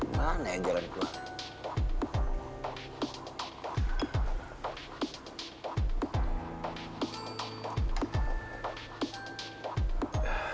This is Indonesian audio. mana ya jalan keluar